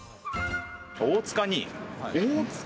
大塚に。